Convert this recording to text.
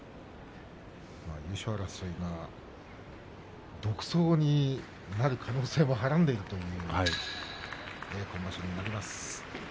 優勝争いが独走になる可能性もはらんでいるという今場所になります。